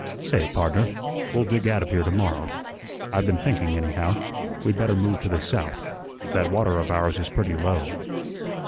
Say, pardner, we'll dig out of here to morrow. I've been thinking, anyhow, we'd better move to the south; that water of ours is pretty low."